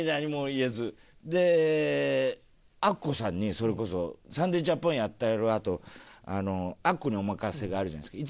でアッコさんにそれこそ『サンデージャポン』やったあとあの『アッコにおまかせ！』があるじゃないですか。